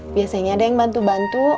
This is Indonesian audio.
biasanya ada yang bantu bantu